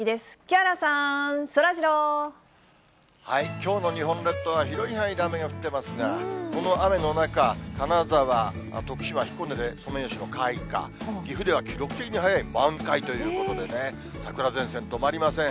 きょうの日本列島は広い範囲で雨が降っていますが、この雨の中、金沢、徳島、彦根でソメイヨシノ開花、岐阜では記録的に早い満開ということでね、桜前線止まりません。